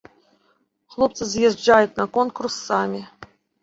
Хлопцы з'язджаюць на конкурс самі.